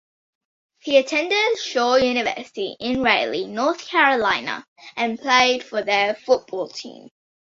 He attended Shaw University in Raleigh, North Carolina and played for their football team.